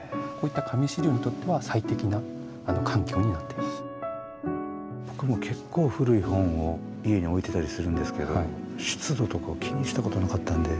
いろいろな僕も結構古い本を家に置いてたりするんですけど湿度とかを気にしたことなかったんで。